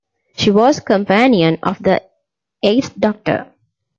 She was a companion of the Eighth Doctor.